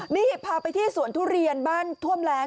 นี่พาไปที่สวนทุเรียนบ้านท่วมแรง